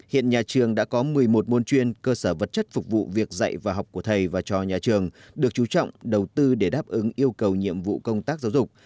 hiện nhà trường đã có một mươi một môn chuyên cơ sở vật chất phục vụ việc dạy và học của thầy và cho nhà trường được chú trọng đầu tư để đáp ứng yêu cầu nhiệm vụ công tác giáo dục